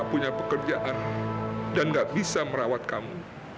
punya pekerjaan dan gak bisa merawat kamu